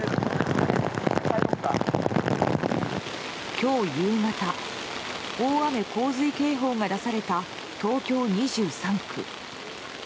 今日夕方、大雨・洪水警報が出された東京２３区。